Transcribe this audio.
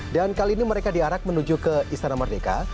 kali ini mereka diarak menuju ke istana merdeka